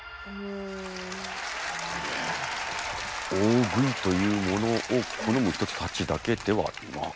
大食いというものを好む人たちだけではなかった。